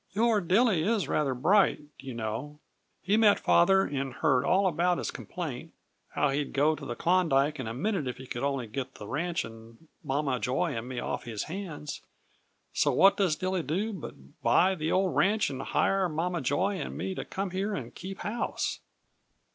Your Dilly is rather bright, do you know? He met father and heard all about his complaint how he'd go to the Klondyke in a minute if he could only get the ranch and Mama Joy and me off his hands so what does Dilly do but buy the old ranch and hire Mama Joy and me to come here and keep house!